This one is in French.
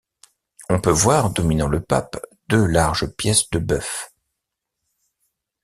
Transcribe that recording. On peut voir, dominant le pape, deux larges pièces de bœuf.